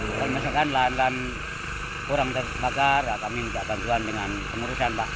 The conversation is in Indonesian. kalau misalkan lahan lahan kurang terbakar kami minta bantuan dengan pengurusan pak